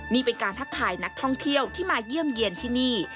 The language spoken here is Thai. นี่เป็นการทักทายนักท่องเที่ยวที่มาเยี่ยมเยี่ยนที่นี่